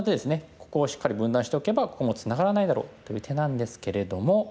ここをしっかり分断しておけばここもツナがらないだろうという手なんですけれども。